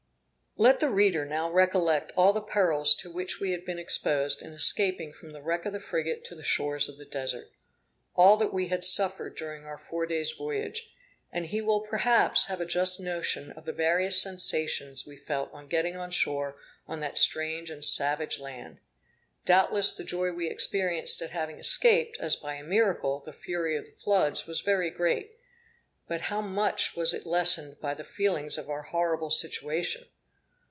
Let the reader now recollect all the perils to which we had been exposed in escaping from the wreck of the frigate to the shores of the Desert all that we had suffered during our four days' voyage and he will perhaps have a just notion of the various sensations we felt on getting on shore on that strange and savage land. Doubtless the joy we experienced at having escaped, as by a miracle, the fury of the floods, was very great; but how much was it lessened by the feelings of our horrible situation!